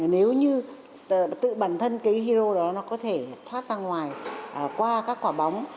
nếu như tự bản thân cái hyo đó nó có thể thoát ra ngoài qua các quả bóng